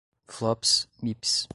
flops, mips